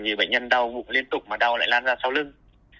vì bệnh nhân đau ngục liên tục mà đau lại lan ra sau lưng